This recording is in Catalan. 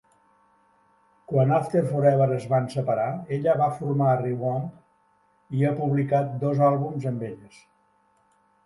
Quan After Forever es van separar, ella va formar ReVamp i ha publicat dos àlbums amb elles.